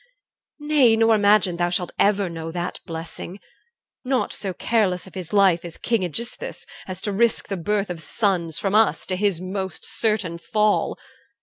Nay, nor imagine thou shalt ever know That blessing. Not so careless of his life Is King Aegisthus, as to risk the birth Of sons from us, to his most certain fall.